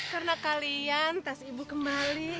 karena kalian tas ibu kembali